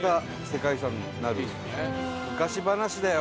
昔話だよ